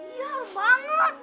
iya harum banget